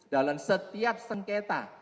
dalam setiap sengketa